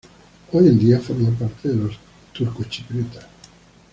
Hoy en día forma parte de los turcochipriotas.